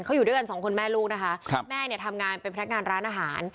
เขาอยู่ด้วยกันสองคนแม่ลูกนะคะครับแม่เนี่ยทำงานเป็นพนักงานร้านอาหาร